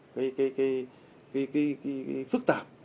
cái phức tạp